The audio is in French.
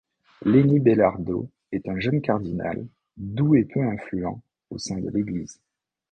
Lenny Belardo est un jeune cardinal, doux et peu influent au sein de l'Église.